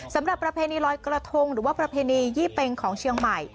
ประเพณีลอยกระทงหรือว่าประเพณียี่เป็งของเชียงใหม่